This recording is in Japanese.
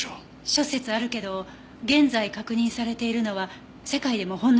諸説あるけど現在確認されているのは世界でもほんの数人のみ。